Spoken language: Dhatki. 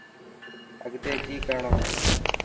اڳتي ڪئي ڪرڻو هي.